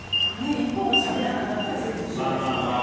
一方がしゃべらなかったら成立しないですもんね。